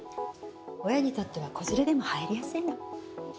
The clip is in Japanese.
親にとっては子連れでも入りやすいの。